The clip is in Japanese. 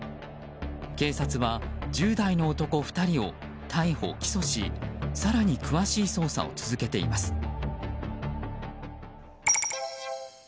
警察は１０代の男２人を逮捕・起訴し更に詳しい捜査を続けています。